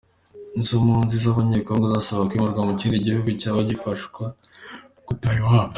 Izo mpunzi z’Abanyekongo zasabaga kwimurirwa mu kindi gihugu cyangwa zigafashwa gutaha iwabo.